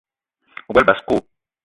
O gbele basko?